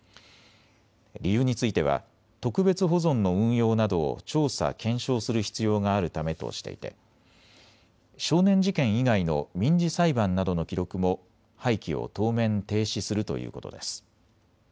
理由については特別保存の運用などを調査・検証する必要があるためとしていて少年事件以外の民事裁判などの記録も廃棄を当面停止するということです。